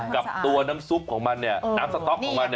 กับตัวน้ำซุปของมันน้ำสต๊อกของมัน